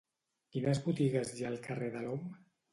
Quines botigues hi ha al carrer de l'Om?